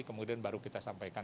kemudian baru kita sampaikan